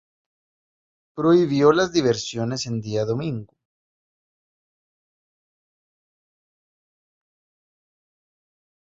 Prohibió las diversiones en día domingo.